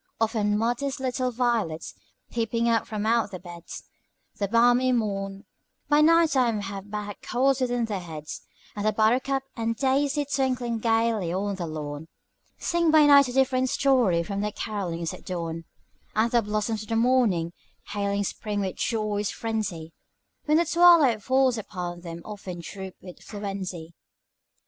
Often modest little violets, peeping up from out their beds In the balmy morn by night time have bad colds within their heads; And the buttercup and daisy twinkling gayly on the lawn, Sing by night a different story from their carollings at dawn; And the blossoms of the morning, hailing spring with joyous frenzy, When the twilight falls upon them often droop with influenzy.